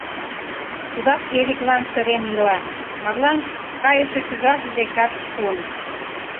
Тудат Эриклан сырен ила: марлан кайыше шӱжарже декат шуын.